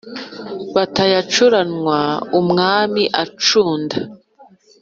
batayacuranwa umwami acunda